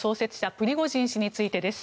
プリゴジン氏についてです。